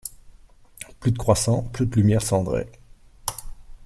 Plus de croissant, plus de lumière cendrée.